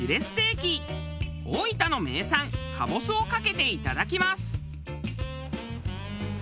大分の名産かぼすをかけていただきます。